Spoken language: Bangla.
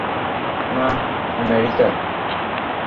না, আমেরিকা।